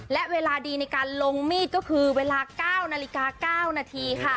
และเวลาดีในการลงมีดก็คือเวลา๙นาฬิกา๙นาทีค่ะ